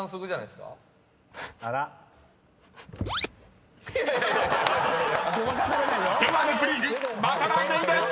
［では『ネプリーグ』また来年です！］